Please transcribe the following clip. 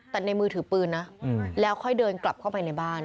แต่ในมือถือปืนนะแล้วค่อยเดินกลับเข้าไปในบ้าน